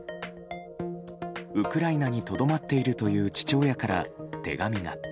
ウクライナにとどまっているという父親から手紙が。